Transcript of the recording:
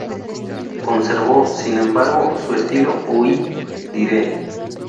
Conservó, sin embargo, su estilo "Ouï-dire".